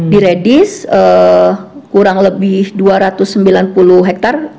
di redis kurang lebih dua ratus sembilan puluh hektare